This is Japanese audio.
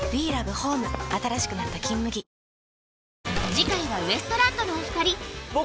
次回はウエストランドのお二人そうだよな！